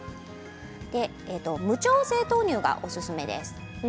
無調整豆乳がおすすめです。